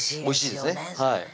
おいしいですね